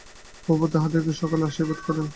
প্রভু তাঁহাদের সকলকে আশীর্বাদ করুন।